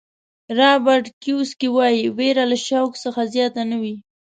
رابرټ کیوساکي وایي وېره له شوق څخه زیاته نه وي.